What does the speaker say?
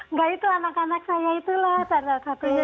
nggak itu anak anak saya itulah tanda satunya